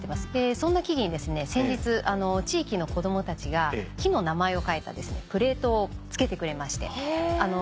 そんな木々に先日地域の子供たちが木の名前を書いたプレートを付けてくれまして。